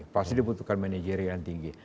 pasti dibutuhkan manajeri yang tinggi